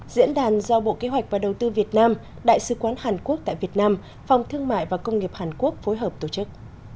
diễn đàn do bộ kế hoạch và đầu tư việt nam đại sứ quán hàn quốc tại việt nam phòng thương mại và công nghiệp hàn quốc phối hợp tổ chức